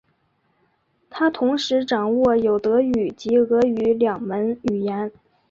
他同时掌握有德语及俄语两门语言。